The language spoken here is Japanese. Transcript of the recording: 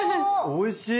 おいしい！